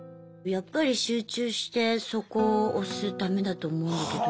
やっぱり集中してそこを推すためだと思うんだけど。